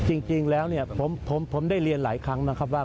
จริงแล้วเนี่ยผมได้เรียนหลายครั้งนะครับว่า